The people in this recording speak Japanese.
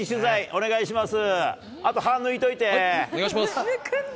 お願いします。